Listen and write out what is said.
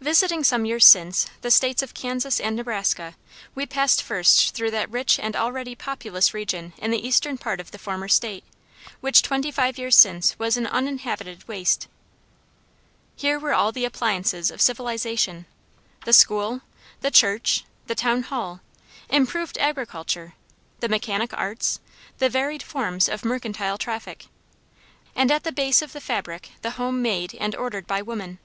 Visiting some years since the States of Kansas and Nebraska, we passed first through that rich and already populous region in the eastern part of the former State, which twenty five years since was an uninhabited waste. Here were all the appliances of civilization: the school, the church, the town hall; improved agriculture, the mechanic arts, the varied forms of mercantile traffic, and at the base of the fabric the home made and ordered by woman.